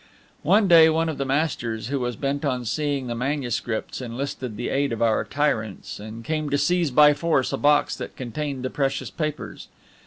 One day one of the masters, who was bent on seeing the manuscripts, enlisted the aid of our tyrants, and came to seize, by force, a box that contained the precious papers.